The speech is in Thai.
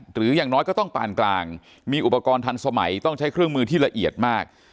อย่างน้อยก็ต้องปานกลางมีอุปกรณ์ทันสมัยต้องใช้เครื่องมือที่ละเอียดมาก